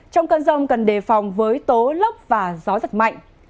trong cơn rông cần đề phòng với tố lốc và gió giật mạnh